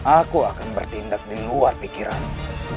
aku akan bertindak di luar pikirannya